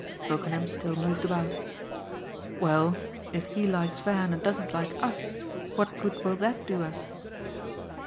Brookenham still moved about. "Well, if he likes Van and doesn't like US, what good will that do us?"